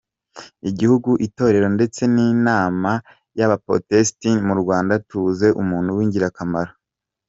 Igihugu, Itorero ndetse n’Inama y’abapotestani mu Rwanda tubuze umuntu w’ingirakamaro.